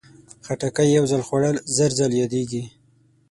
خټکی یو ځل خوړل، زر ځل یادېږي.